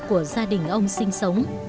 của gia đình ông sinh sống